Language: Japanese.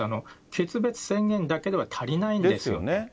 決別宣言だけでは足りないんですよ。